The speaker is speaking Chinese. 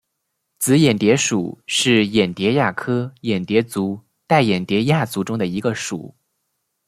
紫眼蝶属是眼蝶亚科眼蝶族黛眼蝶亚族中的一个属。